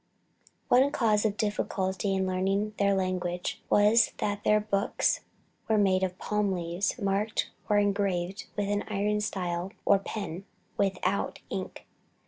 One cause of difficulty in learning their language was that their books were made of palm leaves, marked or engraved with an iron style or pen, without ink.